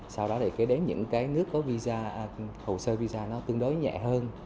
sau đó để kế đến những cái nước có visa khẩu sơ visa nó tương đối nhẹ hơn